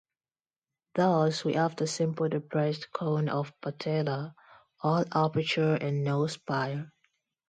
Thus we have the simple depressed cone of "Patella", all aperture and no spire.